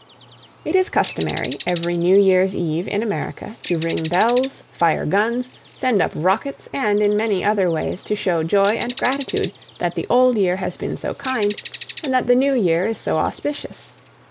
It is customary, every New Year's eve in America, to ring bells, fire guns, send up rockets, and, in many other ways, to show joy and gratitude that the old year has been so kind, and that the new year is so auspicious.